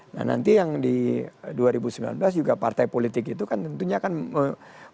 nah nanti yang di dua ribu sembilan belas juga partai politik itu kan tentunya akan menentukan